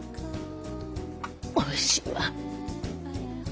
おいしいわ！